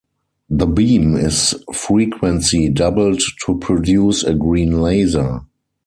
The beam is frequency doubled to produce a green laser.